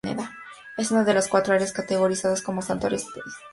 Es una de las cuatro áreas categorizadas como santuarios históricos en el país.